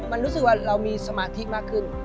มันรู้สึกว่าเรามีสมาธิมากขึ้น